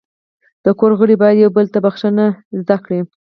د کور غړي باید یو بل ته بخښنه زده کړي.